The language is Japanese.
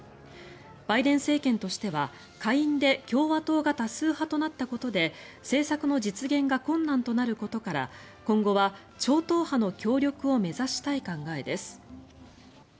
バイデン政権としては下院で共和党が多数派となったことで政策の実現が困難となることから今後は超党派の協力を目指したい考えです。